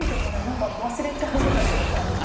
何か忘れちゃうぐらいの感じ。